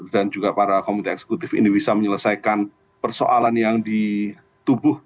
dan juga para komite eksekutif ini bisa menyelesaikan persoalan yang di tubuh